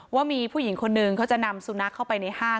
ว่ามีผู้หญิงคนนึงเขาจะนำสุนัขเข้าไปในห้าง